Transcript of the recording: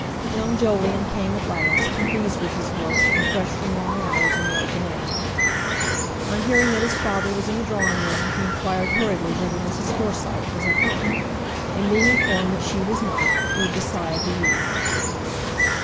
Young Jolyon came at last, pleased with his work, and fresh from long hours in the open air. On hearing that his father was in the drawing room, he inquired hurriedly whether Mrs. Forsyte was at home, and being informed that she was not, heaved a sigh of relief.